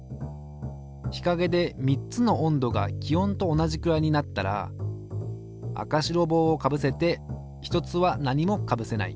ひかげで３つの温度が気温と同じくらいになったら赤白帽をかぶせて１つは何もかぶせない。